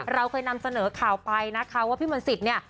เราเคยนำเสนอข่าวไปนะคะว่าพี่มนต์สิทธิ์เนี่ย